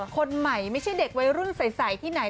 คนใหม่ไม่ใช่เด็กวัยรุ่นใสที่ไหน